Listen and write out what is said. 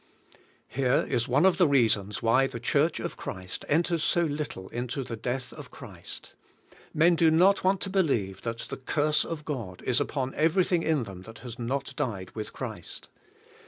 Here is one of the reasons why the Church of Christ enters so little into the death of Christ; men do not want to believe that the curse of God is upon everything in them that has not died with Christ.